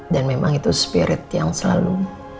memang itu spirit yang selalu